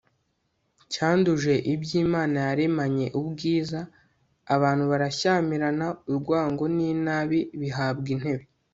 cyanduje ibyo imana yaremanye ubwiza, abantu barashyamirana, urwango n'inabi bihabwa intebe